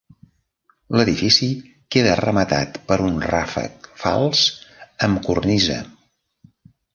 L'edifici queda rematat per un ràfec fals amb cornisa.